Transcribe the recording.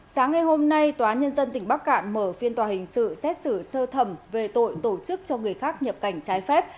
sáng ngày hôm nay tòa nhân dân tỉnh bắc cạn mở phiên tòa hình sự xét xử sơ thẩm về tội tổ chức cho người khác nhập cảnh trái phép